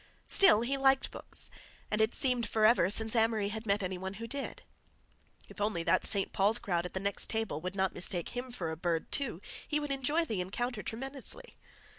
Still, he liked books, and it seemed forever since Amory had met any one who did; if only that St. Paul's crowd at the next table would not mistake him for a bird, too, he would enjoy the encounter tremendously.